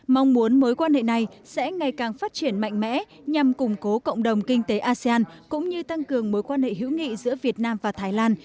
mong muốn mối quan hệ này sẽ ngày càng phát triển mạnh mẽ nhằm củng cố cộng đồng kinh tế asean cũng như tăng cường mối quan hệ hữu nghị giữa việt nam và thái lan